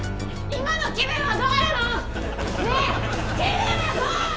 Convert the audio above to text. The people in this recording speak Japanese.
・今の気分はどうなの！？